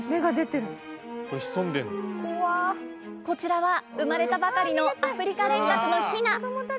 こちらは産まれたばかりのアフリカレンカクのヒナ。